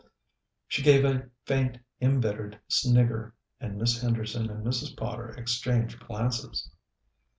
She gave a faint, embittered snigger, and Miss Henderson and Mrs. Potter exchanged glances.